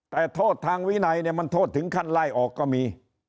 แต่โทษทางวินัยเนี่ยมันโทษถึงขั้นไล่ออกก็มี